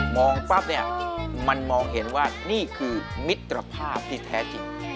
ปั๊บเนี่ยมันมองเห็นว่านี่คือมิตรภาพที่แท้จริง